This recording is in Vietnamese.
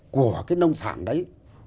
của cái nông sản đấy